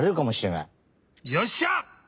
よっしゃ！